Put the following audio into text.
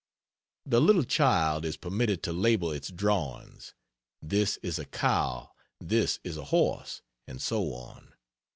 The little child is permitted to label its drawings "This is a cow this is a horse," and so on.